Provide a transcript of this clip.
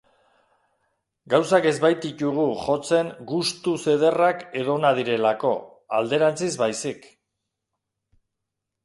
Gauzak ez baititugu jotzen gustuz ederrak edo onak direlako, alderantziz baizik.